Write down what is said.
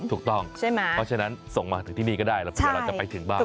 ถูกต้องใช่ไหมเพราะฉะนั้นส่งมาถึงที่นี่ก็ได้เราเผื่อเราจะไปถึงบ้าน